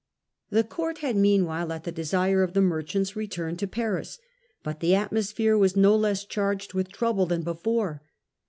The court had meanwhile at the desire of the merchants returned to Paris. But the atmosphere was no less Return of charged with trouble than before.